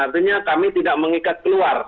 artinya kami tidak mengikat keluar